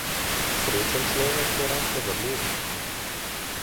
Srečen človek je rad pozabljiv.